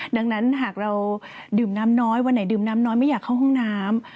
ดังนั้นหากเราดื่มน้ำน้อยวันไหนดื่มน้ำน้อยไม่อยากเข้าห้องน้ำ